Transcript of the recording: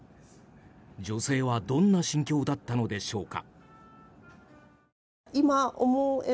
女性はどんな心境だったのでしょうか。